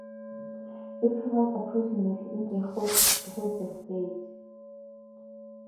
It covers approximately in the Hoosier State.